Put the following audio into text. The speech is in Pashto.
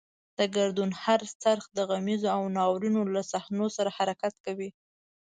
د ګردون هر څرخ د غمیزو او ناورینونو له صحنو سره حرکت کوي.